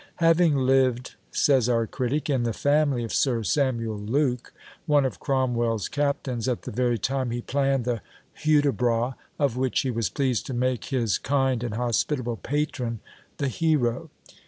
"Having lived," says our critic, "in the family of Sir Samuel Luke, one of Cromwell's captains, at the very time he planned the Hudibras, of which he was pleased to make his kind and hospitable patron the hero.